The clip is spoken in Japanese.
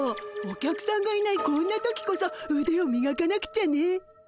お客さんがいないこんな時こそうでをみがかなくちゃね。